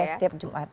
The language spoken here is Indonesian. iya setiap jumat